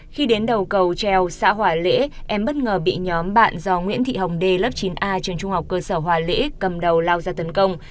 khi đến đầu cầu treo xã hòa lễ em bất ngờ bị nhóm bạn do nguyễn thị hồng d lớp chín a trường trung học cơ sở hòa lễ cầm đầu lao ra tấn công